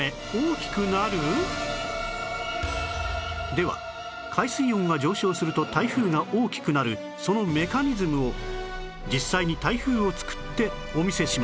では海水温が上昇すると台風が大きくなるそのメカニズムを実際に台風をつくってお見せします